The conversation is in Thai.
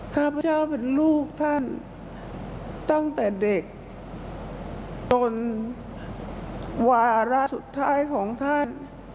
ข้าพเจ้าเป็นลูกท่านตั้งแต่เด็กจนวาระสุดท้ายของท่าน